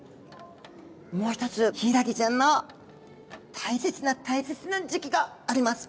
もう一つヒイラギちゃんの大切な大切な時期があります。